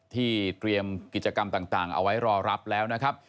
ที่เตรียมกิจกรรมต่างเอาไว้รอรับแล้วนะครับ